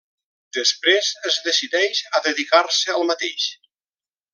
Després es decideix a dedicar-se al mateix.